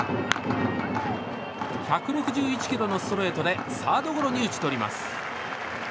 １６１キロのストレートでサードゴロに打ち取ります。